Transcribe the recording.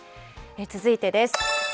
続いてです。